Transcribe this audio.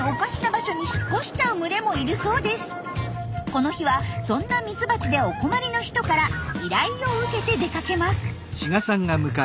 この日はそんなミツバチでお困りの人から依頼を受けて出かけます。